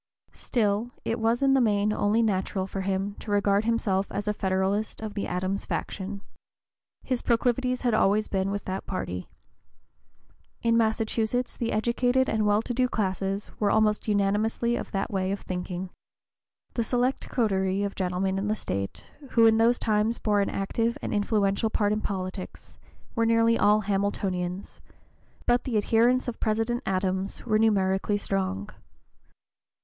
Still it was in the main only natural for him to regard himself as a Federalist of the Adams faction. His proclivities had always been with that party. In Massachusetts the educated and well to do classes were almost unanimously of that way of thinking. The select coterie of gentlemen in the State, who in those times bore an active and influential part in politics, were nearly all Hamiltonians, but the adherents of President Adams were numerically strong.